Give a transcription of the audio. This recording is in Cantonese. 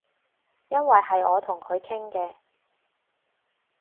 因爲係我同佢傾嘅